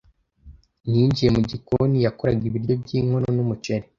Ninjiye mu gikoni, yakoraga ibiryo by'inkoko n'umuceri.